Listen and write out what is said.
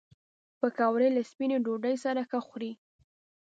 پکورې له سپینې ډوډۍ سره ښه خوري